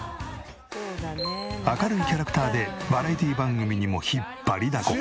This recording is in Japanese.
明るいキャラクターでバラエティ番組にも引っ張りだこ。